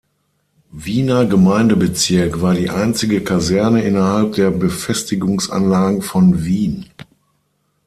Wiener Gemeindebezirk war die einzige Kaserne innerhalb der Befestigungsanlagen von Wien.